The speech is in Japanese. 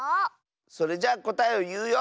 それじゃこたえをいうよ！